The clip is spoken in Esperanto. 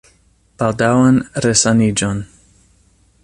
Baldaŭan resaniĝon!